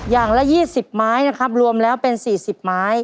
อย่างละ๒๐ไม้นะครับรวมแล้วเป็น๔๐ไม้